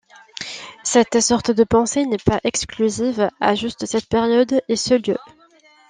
Cette sorte de pensée n'est pas exclusive à juste cette période et ce lieu.